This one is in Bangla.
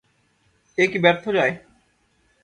এ কি ব্যর্থ যায়!